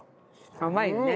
甘いよね。